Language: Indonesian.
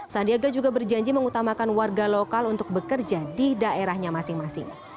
sandiaga juga berjanji mengutamakan warga lokal untuk bekerja di daerahnya masing masing